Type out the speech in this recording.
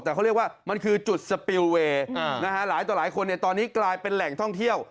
แต่เขาเรียกว่ามันคือจุดสปิลเวย์หลายต่อหลายคนตอนนี้กลายเป็นแหล่งท่องเที่ยว